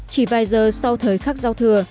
chỉ vài giờ sau thời khắc giao thừa